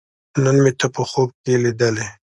نن مې ته په خوب کې لیدلې